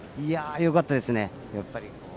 よかったですね。